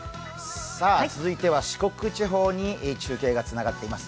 続いては四国地方に中継がつながっています。